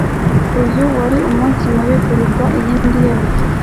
Uyu wari umunsi mubi kuruta iyindi yose